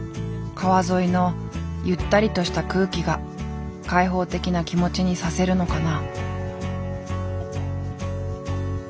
川沿いのゆったりとした空気が開放的な気持ちにさせるのかな。